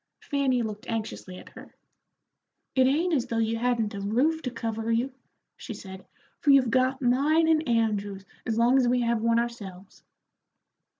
Fanny looked anxiously at her. "It ain't as though you hadn't a roof to cover you," she said, "for you've got mine and Andrew's as long as we have one ourselves."